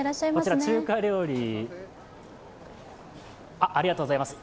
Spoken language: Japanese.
こちら中華料理ありがとうございます。